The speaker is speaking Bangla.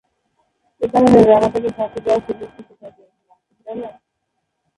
একারণে রানা তাকে শাস্তি দেওয়ার সুযোগ খুঁজতে থাকেন।